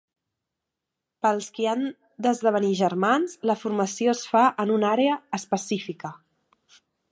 Per als qui han d'esdevenir germans, la formació es fa en una àrea específica.